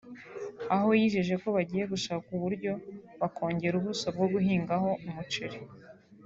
aho yijeje ko bagiye gushaka uburyo bakongera ubuso bwo guhingaho umuceri